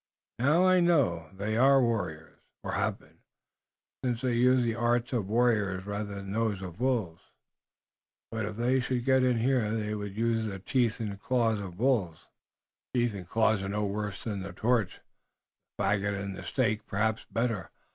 Now I know they are warriors, or have been, since they use the arts of warriors rather than those of wolves." "But if they should get in here they would use the teeth and claws of wolves." "Teeth and claws are no worse than the torch, the faggot and the stake, perhaps better.